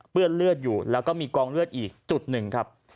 เลือดอยู่แล้วก็มีกองเลือดอีกจุดหนึ่งครับ